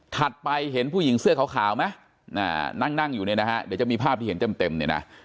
ไปเห็นผู้หญิงเสื้อขาวไหมนั่งนั่งอยู่เนี่ยนะฮะเดี๋ยวจะมีภาพที่เห็นเต็มเนี่ยนะ